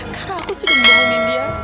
karena aku sudah membohongi dia